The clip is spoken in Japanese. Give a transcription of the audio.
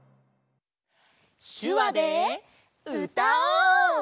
しゅわでうたおう！